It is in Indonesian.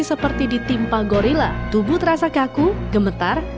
seperti ditimpa gorilla tubuh terasa kaku gemetar